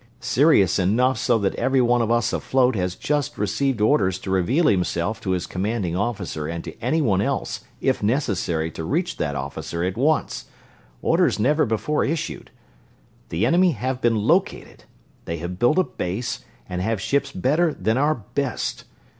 "Serious enough so that every one of us afloat has just received orders to reveal himself to his commanding officer and to anyone else, if necessary to reach that officer at once orders never before issued. The enemy have been located. They have built a base, and have ships better than our best.